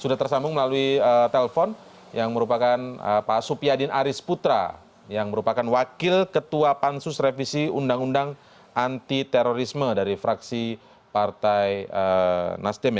sudah tersambung melalui telpon yang merupakan pak supiadin aris putra yang merupakan wakil ketua pansus revisi undang undang anti terorisme dari fraksi partai nasdem